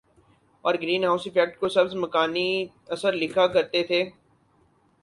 اور greenhouse effect کو سبز مکانی اثر لکھا کرتے تھے